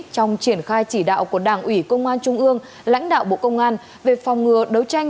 trong triển khai chỉ đạo của đảng ủy công an trung ương lãnh đạo bộ công an về phòng ngừa đấu tranh